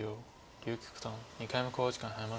結城九段２回目の考慮時間に入りました。